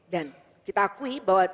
dan kita akui bahwa